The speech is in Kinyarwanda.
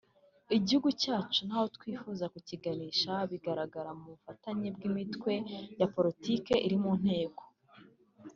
Igihugu cyacu n’aho twifuza kukiganisha bigaragara mu bufatanye bw’imitwe ya politiki iri mu nteko